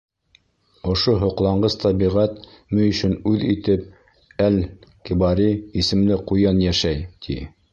Ошо һоҡланғыс тәбиғәт мөйөшөн үҙ итеп Әл-Кибари исемле ҡуян йәшәй, ти.